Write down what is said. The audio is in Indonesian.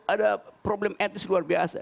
ada problem etis luar biasa